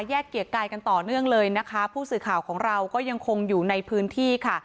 เกียรติกายกันต่อเนื่องเลยนะคะผู้สื่อข่าวของเราก็ยังคงอยู่ในพื้นที่ค่ะ